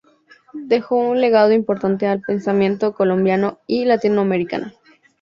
Dejó un legado importante al pensamiento Colombiano y Latinoamericano.